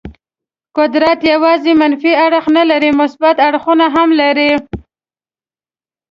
قدرت یوازې منفي اړخ نه لري، مثبت اړخونه هم لري.